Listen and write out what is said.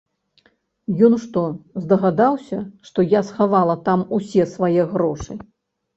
Ён што, здагадаўся, што я схавала там усе свае грошы?